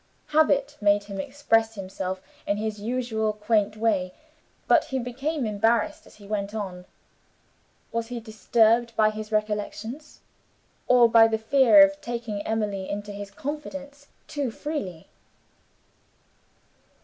Habit made him express himself in his usual quaint way but he became embarrassed as he went on. Was he disturbed by his recollections? or by the fear of taking Emily into his confidence too freely?